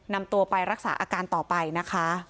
นำตัวไปรักษาอาการต่อไปนะคะ